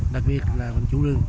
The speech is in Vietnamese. đặc biệt là quân chủ rừng